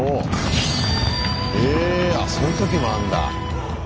えそういう時もあんだ。